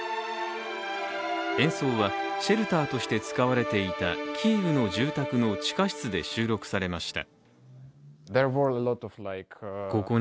演奏はシェルターとして使われていたキーウの住宅の地下室で収録されました。